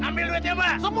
ambil duitnya pak